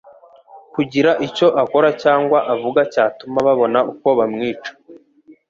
kugira icyo akora cyangwa avuga cyatuma babona uko bamwica.